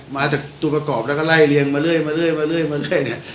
มาจากตัวประกอบแล้วก็ไล่เรียงมาเรื่อยมาเรื่อยมาเรื่อยเนี่ย